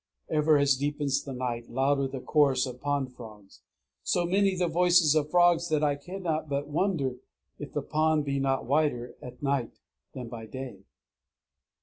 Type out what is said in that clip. _ Ever as deepens the night, louder the chorus of pond frogs. _So many the voices of frogs that I cannot but wonder if the pond be not wider at night than by day!